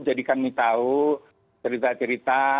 jadi kami tahu cerita cerita